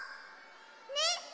ねっ？